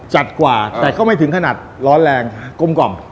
จัดกว่าแต่ก็ไม่ถึงขนาดร้อนแรงกลมกล่อม